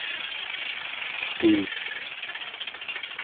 tiik